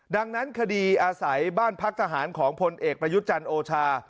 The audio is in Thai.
ดังนั้นคดีอาศัยบ้านพักทหารของพลเอกประยุทธ์จันทร์โอชา